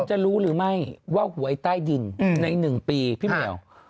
จะรู้หรือไม่ว่าหวยใต้ดินใน๑ปีพี่เหมียว